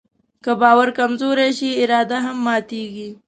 که باور کمزوری شي، اراده هم ماتيږي.